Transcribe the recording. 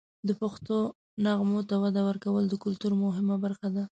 د پښتو نغمو ته وده ورکول د کلتور مهمه برخه ده.